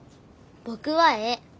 僕はええ。